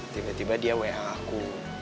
tiba tiba dia wa aku